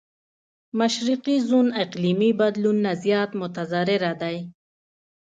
مشرقي زون اقليمي بدلون نه زيات متضرره دی.